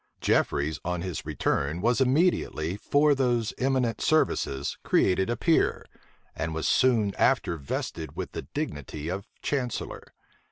Jefferies, on his return, was immediately, for those eminent services, created a peer; and was soon after vested with the dignity of chancellor.